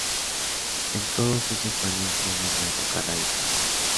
En todos esos años no volvió a tocar la guitarra.